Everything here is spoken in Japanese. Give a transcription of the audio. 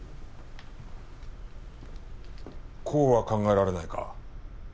こうは考えられないか？